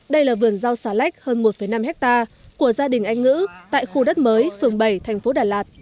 đây là vườn rau xà lách hơn một năm hectare của gia đình anh ngữ tại khu đất mới phường bảy thành phố đà lạt